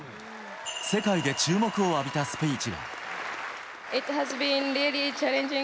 世界で注目を浴びたスピーチ。